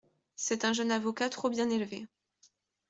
C'est un jeune avocat trop bien élevé.